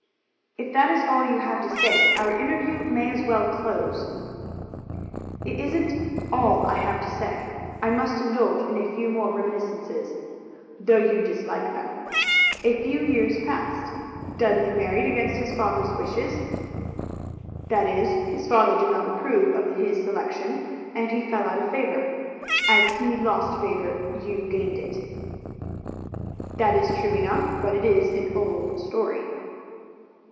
"If that is all you have to say, our interview may as well close." "It isn't all I have to say. I must indulge in a few more reminiscences, though you dislike them. A few years passed. Dudley married against his father's wishes; that is, his father did not approve of his selection, and he fell out of favor. As he lost favor you gained it." "That is true enough, but it is an old story."